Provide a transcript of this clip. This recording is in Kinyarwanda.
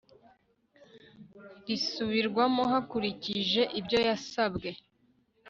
risubirwamo hakurikije ibyo yasabwe